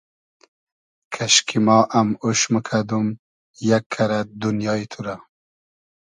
کئشکی ما ام اوش موکئدوم یئگ کئرئد دونیای تو رۂ